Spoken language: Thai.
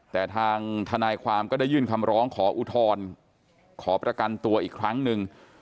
แต่ทางทนายความก็ได้ยื่นคำร้องขออุทธรณ์ขอประกันตัวอีกครั้งหนึ่ง